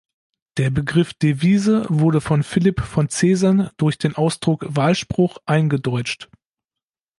Der Begriff Devise wurde von Philipp von Zesen durch den Ausdruck "Wahlspruch" eingedeutscht.